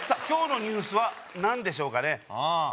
今日のニュースは何でしょうかね